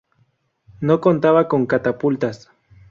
No contaba con catapultas.